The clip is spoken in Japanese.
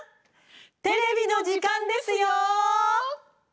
テレビの時間ですよ！